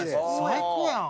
最高やん。